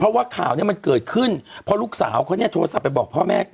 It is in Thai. เพราะว่าข่าวนี้มันเกิดขึ้นเพราะลูกสาวเขาเนี่ยโทรศัพท์ไปบอกพ่อแม่